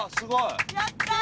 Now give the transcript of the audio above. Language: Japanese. やったー！